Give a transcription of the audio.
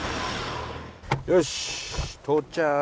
よし到着。